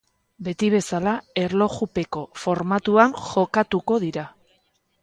Beti bezala, erlojupeko formatuan jokatuko dira.